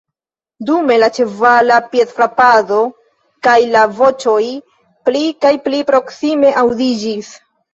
Dume la ĉevala piedfrapado kaj la voĉoj pli kaj pli proksime aŭdiĝis.